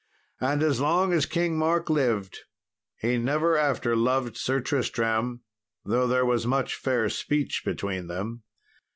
And as long as King Mark lived, he never after loved Sir Tristram, though there was much fair speech between them.